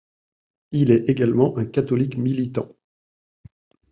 Il est également un catholique militant.